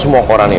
aku mau pergi